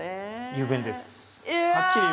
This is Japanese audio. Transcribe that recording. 雄弁です。